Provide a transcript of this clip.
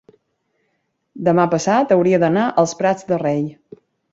demà passat hauria d'anar als Prats de Rei.